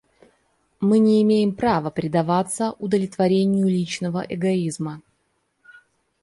Мы не имеем права предаваться удовлетворению личного эгоизма.